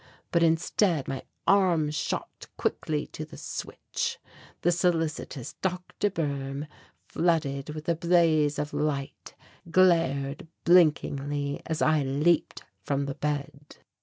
But instead my arm shot quickly to the switch. The solicitous Doctor Boehm, flooded with a blaze of light, glared blinkingly as I leaped from the bed.